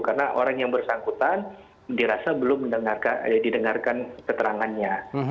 karena orang yang bersangkutan dirasa belum didengarkan keterangannya